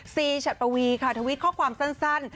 ซีฉัดปวีค่ะทวิตข้อความสั้น